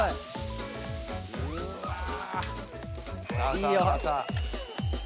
いいよ。